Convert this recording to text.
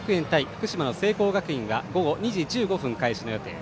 福島の聖光学院が午後２時１５分の開始予定。